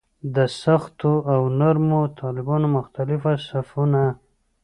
د سختو او نرمو طالبانو مختلف صفونه.